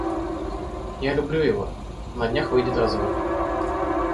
Я люблю его, на-днях выйдет развод.